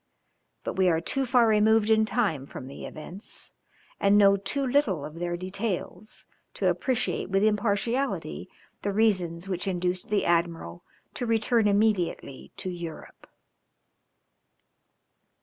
But we are too far removed in time from the events, and know too little of their details, to appreciate with impartiality the reasons which induced the admiral to return immediately to Europe.